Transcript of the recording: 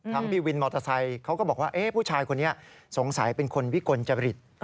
ทั้งพี่วินหมอเตอร์ไซน์เขาก็บอกว่าเอ๊ะผู้ชายคนนี้สงสัยเป็นคนวิกวลจภิษฐ์